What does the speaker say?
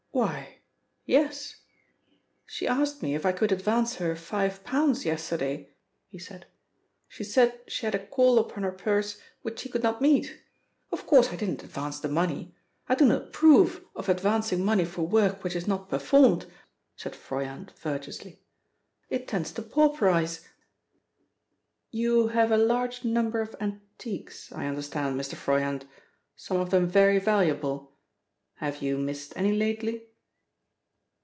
"Why yes. She asked me if I could advance her five pounds yesterday," he said. "She said she had a call upon her purse which she could not meet. Of course, I didn't advance the money. I do not approve of advancing money for work which is not performed," said Froyant virtuously. "It tends to pauperise " "You have a large number of antiques, I understand, Mr. Froyant, some of them very valuable. Have you missed any lately?"